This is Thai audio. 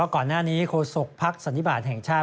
ก่อนหน้านี้โฆษกภักดิ์สันนิบาทแห่งชาติ